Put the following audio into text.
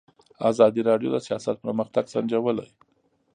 ازادي راډیو د سیاست پرمختګ سنجولی.